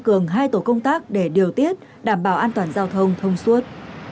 cường hai tổ công tác để điều tiết đảm bảo an toàn giao thông thông suốt